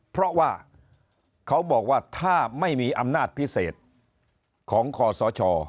เพราะว่าเขาบอกว่าถ้าไม่มีอำนาจพิเศษของคอสช